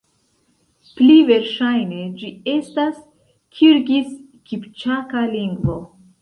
Pli verŝajne, ĝi estas kirgiz-kipĉaka lingvo.